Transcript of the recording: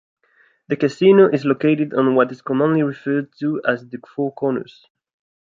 The casino is located on what is commonly referred to as the four corners.